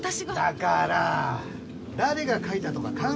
だから誰が書いたとか関係ないんだよ！